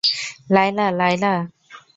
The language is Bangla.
লায়লা, লায়লা।